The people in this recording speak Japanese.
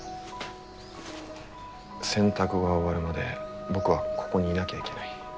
洗濯が終わるまで僕はここにいなきゃいけない。